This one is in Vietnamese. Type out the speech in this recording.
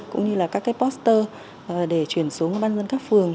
cũng như là các cái poster để chuyển xuống ban dân các phường